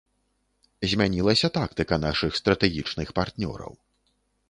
Змянілася тактыка нашых стратэгічных партнёраў.